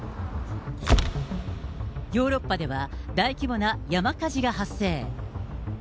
ヨーロッパでは大規模な山火事が発生。